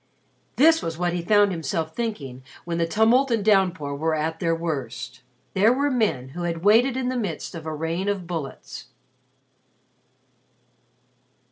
This was what he found himself thinking when the tumult and downpour were at their worst. There were men who had waited in the midst of a rain of bullets.